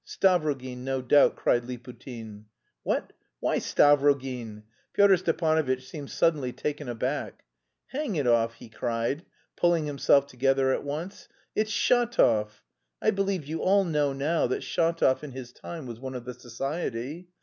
"Stavrogin, no doubt," cried Liputin. "What... why Stavrogin?" Pyotr Stepanovitch seemed suddenly taken aback. "Hang it all," he cried, pulling himself together at once, "it's Shatov! I believe you all know now that Shatov in his time was one of the society.